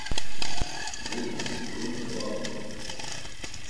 Ğurun ğurunte va ğurun…